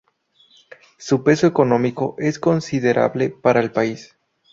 Su peso económico es considerable para el país.